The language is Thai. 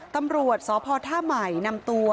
ตำรวจสพท่าใหม่นำตัว